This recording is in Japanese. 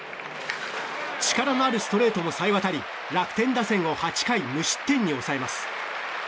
力のあるストレートも冴え渡り楽天打線を８回無失点に抑えます。